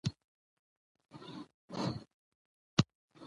ډيپلوماسي د شخړو د حل لپاره د خبرو اترو بنسټ دی.